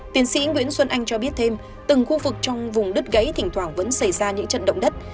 tiến sĩ nguyễn xuân anh cho biết thêm từng khu vực trong vùng đất gãy thỉnh thoảng vẫn xảy ra những trận động đất